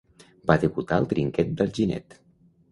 Va debutar al trinquet d'Alginet.